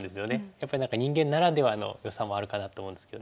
やっぱり何か人間ならではのよさもあるかなと思うんですけど。